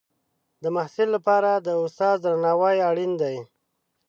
د محصل لپاره د استاد درناوی اړین دی.